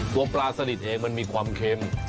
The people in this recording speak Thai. ตัวปลาสนิทเองมันมีความเค็ม